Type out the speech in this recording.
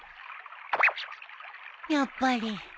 やっぱり。